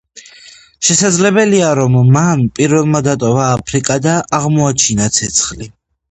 შესაძლებელია რომ მან პირველმა დატოვა აფრიკა და აღმოაჩინა ცეცხლი.